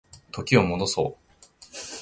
時を戻そう